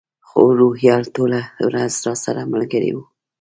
خو روهیال ټوله ورځ راسره ملګری و.